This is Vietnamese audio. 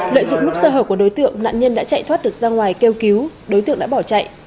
lợi dụng lúc sơ hở của đối tượng nạn nhân đã chạy thoát được ra ngoài kêu cứu đối tượng đã bỏ chạy